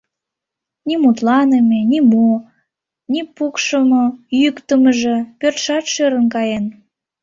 Ни мутланыме, ни мо; ни пукшымо-йӱктымыжӧ, пӧртшат шӧрын каен.